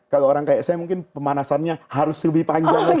kalau orang kayak saya mungkin pemanasannya harus lebih panjang lagi